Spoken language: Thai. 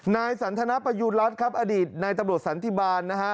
นายสันทนประยูณรัฐครับอดีตนายตำรวจสันติบาลนะฮะ